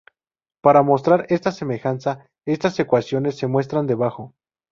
Para mostrar esta semejanza, estas ecuaciones se muestran debajo.